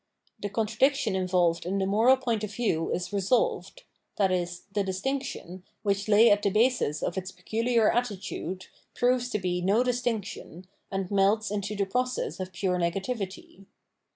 The contradiction involved in the moral point of view is resolved, i.e. the distinction, which .lay at the basis of its peculiar attitude, proves to be no distinction, and melts into the process of pure negativity.